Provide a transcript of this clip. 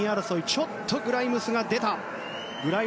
ちょっとグライムズが出た。